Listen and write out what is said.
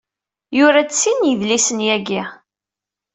Yura-d sin n yidlisen yagi.